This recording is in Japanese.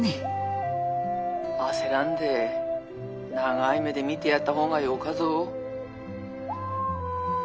☎焦らんで長い目で見てやった方がよかぞ。